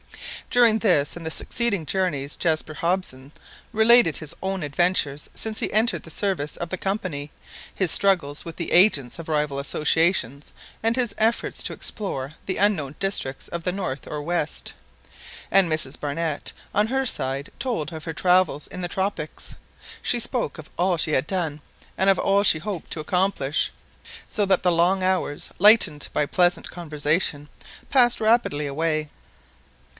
During this and the succeeding journeys Jaspar Hobson related his own adventures since he entered the service of the Company his struggles with the agents of rival associations, and his efforts to explore the unknown districts of the north or west; and Mrs Barnett, on her side, told of her travels in the tropics. She spoke of all she had done, and of all she hoped still to accomplish; so that the long hours, lightened by pleasant conversation, passed rapidly away.